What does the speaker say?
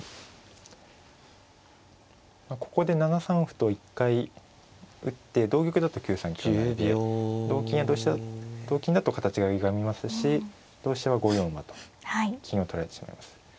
ここで７三歩と一回打って同玉だと９三香成で同金や同飛車同金だと形がゆがみますし同飛車は５四馬と金を取られてしまいます。